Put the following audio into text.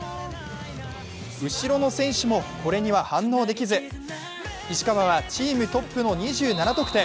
後ろの選手も、これには反応できず石川はチームトップの２７得点。